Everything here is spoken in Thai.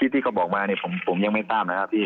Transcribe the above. ที่เขาบอกมาเนี่ยผมยังไม่ทราบนะครับพี่